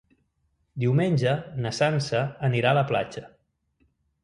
Diumenge na Sança anirà a la platja.